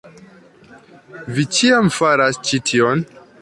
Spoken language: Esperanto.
Vi ĉiam faras ĉi tion